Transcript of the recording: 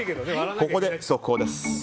ここで速報です。